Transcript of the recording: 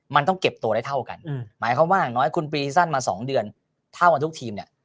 มันต้องเก็บโตได้เท่ากันหมายความว่าคุณปีซี่สั้นมา๒เดือนเท่ากันทุกทีมเนี่ย